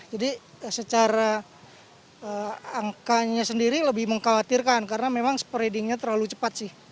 secara angkanya sendiri lebih mengkhawatirkan karena memang spreadingnya terlalu cepat sih